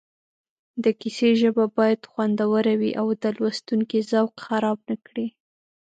د کیسې ژبه باید خوندوره وي او د لوستونکي ذوق خراب نه کړي